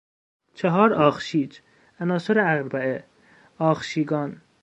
چهار آخشیج، عناصر اربعه، آخشیگان